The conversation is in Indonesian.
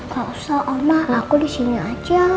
gak usah oma aku disini aja